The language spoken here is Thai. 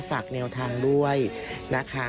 ฝากแนวทางด้วยนะคะ